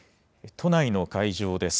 都内の会場です。